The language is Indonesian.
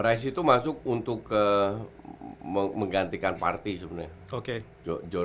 rice itu masuk untuk menggantikan party sebenarnya